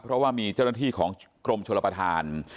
เพราะว่ามีเจ้าหน้าที่ของกรมชลประธาน